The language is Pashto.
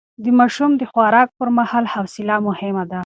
د ماشوم د خوراک پر مهال حوصله مهمه ده.